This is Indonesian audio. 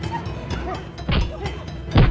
ada apa itu